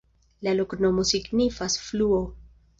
La loknomo signifas: fluo.